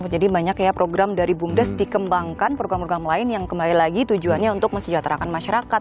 banyak ya program dari bumdes dikembangkan program program lain yang kembali lagi tujuannya untuk mesejahterakan masyarakat